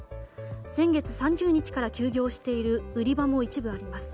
先月３０日から休業している売り場も一部あります。